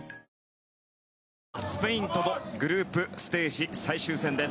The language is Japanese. スペインとのグループステージ最終戦です。